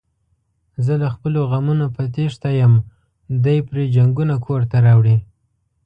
زه له خپلو غمونو په تېښته یم، دی پري جنگونه کورته راوړي.